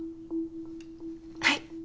はい？